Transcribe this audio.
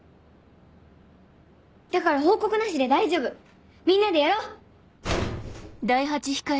だから報告なしで大丈夫みんなでやろう！